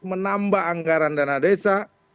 menambah anggaran dana desa